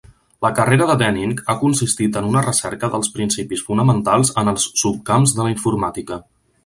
La carrera de Denning ha consistit en una recerca dels principis fonamentals en els subcamps de la informàtica.